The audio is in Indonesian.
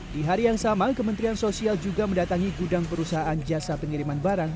di hari yang sama kementerian sosial juga mendatangi gudang perusahaan jasa pengiriman barang